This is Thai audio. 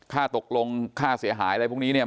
ค่าตกลงค่าเสียหายอะไรพวกนี้เนี่ย